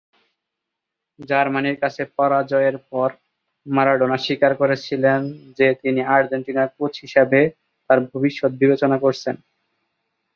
জার্মানির কাছে পরাজয়ের পর মারাদোনা স্বীকার করেছিলেন যে তিনি আর্জেন্টিনার কোচ হিসেবে তার ভবিষ্যৎ বিবেচনা করছেন।